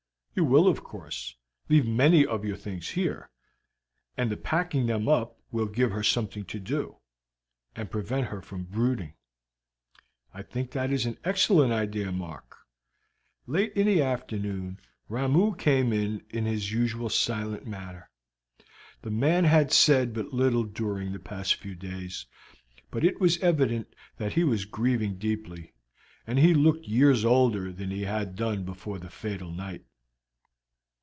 "You will, of course, leave many of your things here, and the packing them up will give her something to do, and prevent her from brooding." "I think that is an excellent idea, Mark." Late in the afternoon Ramoo came in in his usual silent manner. The man had said but little during the past few days, but it was evident that he was grieving deeply, and he looked years older than he had done before that fatal night.